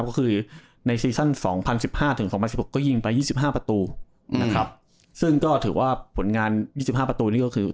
ก็คือในซักช่วงยิงใบสิบห้าประตูนะครับซึ่งก็ถือว่าผลงานสิบห้าประตูมือ